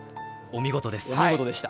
お見事です。